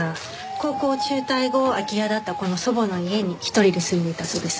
高校を中退後空き家だったこの祖母の家に１人で住んでいたそうです。